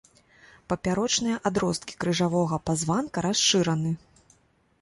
Папярочныя адросткі крыжавога пазванка расшыраны.